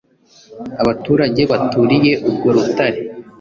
Abaturage baturiye urwo rutare